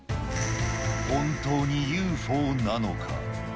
本当にＵＦＯなのか。